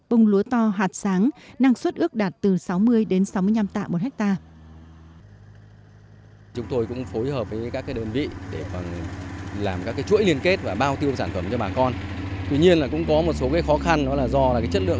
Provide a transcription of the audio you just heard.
bông lúa to hạt sáng năng suất ước đạt từ sáu mươi đến sáu mươi năm tạ một hectare